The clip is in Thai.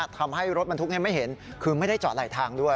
ทำให้รถบรรทุกไม่เห็นคือไม่ได้จอดไหลทางด้วย